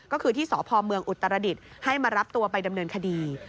ก็คือที่สพเมืองอุตรดิษฐ์ให้มารับตัวไปดำเนินคดี